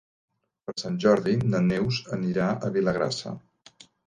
Per Sant Jordi na Neus anirà a Vilagrassa.